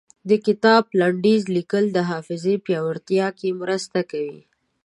د کتاب لنډيز ليکل د حافظې پياوړتيا کې مرسته کوي.